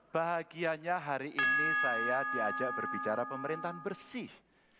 bahagianya hari ini saya diajak berbicara pemerintahan bersih